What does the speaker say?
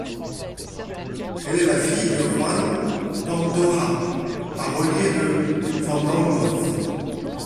Elle est la fille de Juan Pantoja, parolier de fandangos.